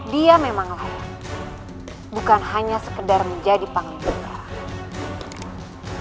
dia memang layak bukan hanya sekedar menjadi panglima